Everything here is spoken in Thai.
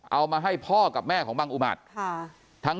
เอามาให้พ่อกับแม่ของบังอุมาตร